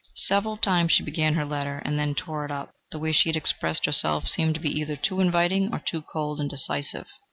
Several times she began her letter, and then tore it up: the way she had expressed herself seemed to her either too inviting or too cold and decisive.